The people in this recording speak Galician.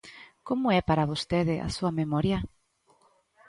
Como é para vostede a súa memoria?